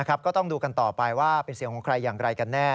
ก็ต้องดูกันต่อไปว่าเป็นเสียงของใครอย่างไรกันแน่